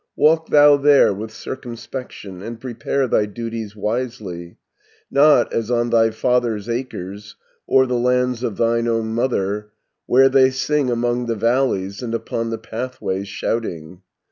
Walk thou there with circumspection, And prepare thy duties wisely 30 Not as on thy father's acres, Or the lands of thine own mother. Where they sing among the valleys, And upon the pathways shouting.